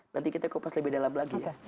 nanti kita kupas lebih dalam lagi ya